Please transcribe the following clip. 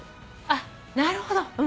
あっなるほど。